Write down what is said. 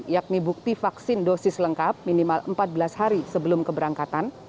yakni bukti vaksin dosis lengkap minimal empat belas hari sebelum keberangkatan